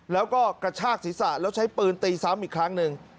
แล้วก็กระชากศีรษะแล้วใช้ปืนตีซ้ำอีกครั้งหนึ่ง